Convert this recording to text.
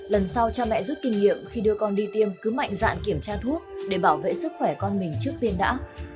lần sau cha mẹ rút kinh nghiệm khi đưa con đi tiêm cứ mạnh dạn kiểm tra thuốc để bảo vệ sức khỏe con mình trước tiên đã